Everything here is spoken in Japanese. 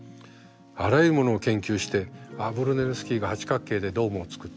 あらゆるものを研究して「ブルネレスキが八角形でドームを作った。